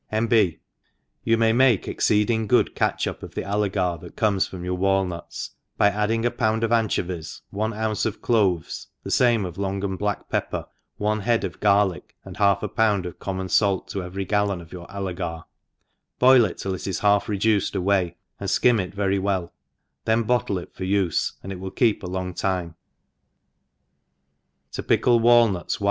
— N.B.You may make exceeding good catchup of the alle* ga)* that comes from the walnuts, by adding a pound of anchovies^ one ounce of cloves, the fame of long and black pepper, one head of garlick, and half a pound of common (alt to every gallon of your allegar ; boil it till it is hal/ reduced away, aad fcum it very well, then bot tle it for ufe, and it will keep a long time. ENGLISH HOUSEiKEEFEi. 34$ To pickk Walnuts.